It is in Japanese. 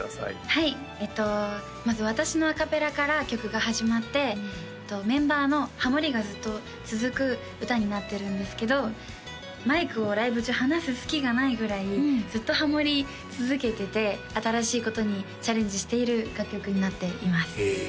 はいまず私のアカペラから曲が始まってメンバーのハモリがずっと続く歌になってるんですけどマイクをライブ中離す隙がないぐらいずっとハモり続けてて新しいことにチャレンジしている楽曲になっていますへえ